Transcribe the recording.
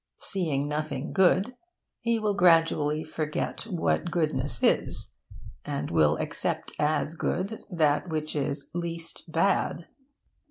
Seeing nothing good, he will gradually forget what goodness is; and will accept as good that which is least bad.